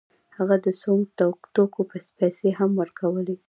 هغه د سونګ توکو پیسې هم ورکولې.